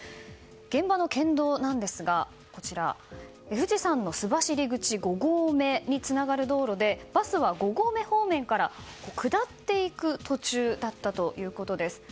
現場の県道なんですが、富士山の須走口５合目につながる道路でバスは５合目方面から下っていく途中だったということです。